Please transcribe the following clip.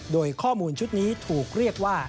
โดยข้อมูลชุดนี้ถูกเรียกว่า